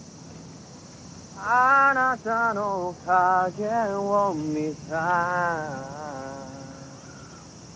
「あなたの影を見た」